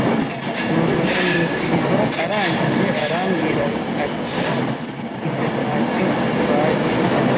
nuko ndamwikiriza arangije arambwira ati ibyo ntacyo bitwaye.